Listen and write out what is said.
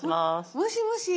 もしもし。